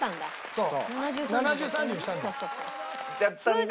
そう。